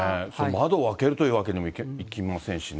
窓を開けるというわけにもいきませんしね。